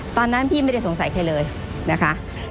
ตอนนั้นพี่ไม่ได้สงสัยใครเลยนะคะ